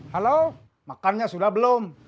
halo makannya sudah belum